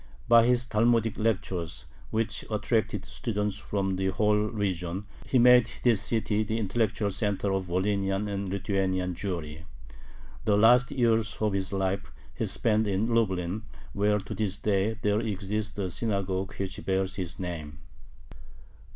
By his Talmudic lectures, which attracted students from the whole region, he made this city the intellectual center of Volhynian and Lithuanian Jewry. The last years of his life he spent in Lublin, where to this day there exists a synagogue which bears his name.